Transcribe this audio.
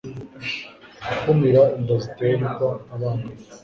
gukumira inda ziterwa abangavu